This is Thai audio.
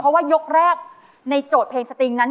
เพราะว่ายกแรกในโจทย์เพลงสติงนั้น